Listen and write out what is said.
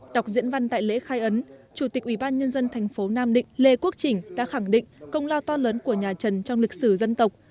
đọc diễn văn tại lễ khai ấn chủ tịch ủy ban nhân dân thành phố nam định lê quốc chỉnh đã khẳng định công lao to lớn của nhà trần trong lịch sử dân tộc